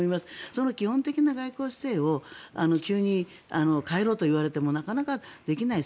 その基本的な外交姿勢を急に変えろと言われてもなかなかできない。